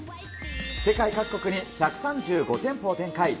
世界各国に１３５店舗を展開。